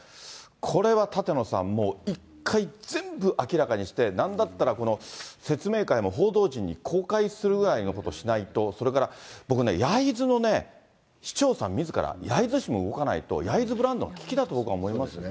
これは舘野さん、もう一回、全部明らかにして、なんだったら、この説明会も報道陣に公開するぐらいのことをしないと、それから、僕ね、焼津の市長さんみずから、焼津市も動かないと、焼津ブランドの危機だと僕は思いますね。